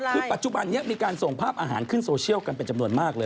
คือปัจจุบันนี้มีการส่งภาพอาหารขึ้นโซเชียลกันเป็นจำนวนมากเลย